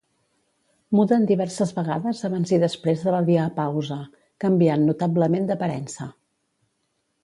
Muden diverses vegades abans i després de la diapausa, canviant notablement d'aparença.